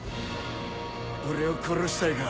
俺を殺したいか？